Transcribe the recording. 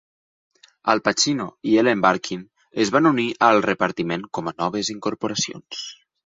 Al Pacino i Ellen Barkin es van unir al repartiment com a noves incorporacions.